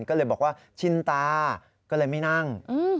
ก็เลยบอกว่าชินตาก็เลยไม่นั่ง